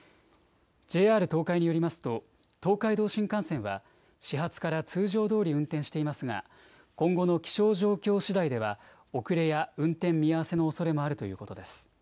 ＪＲ東海によりますと東海道新幹線は始発から通常どおり運転していますが、今後の気象状況しだいでは遅れや運転見合わせのおそれもあるということです。